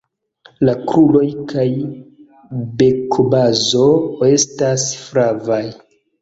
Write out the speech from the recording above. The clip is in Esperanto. La kruroj kaj bekobazo estas flavaj.